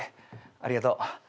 ありがとう。